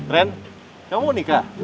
ren kamu mau nikah